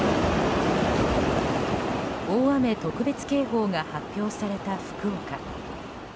大雨特別警報が発表された福岡。